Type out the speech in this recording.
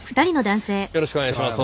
よろしくお願いします。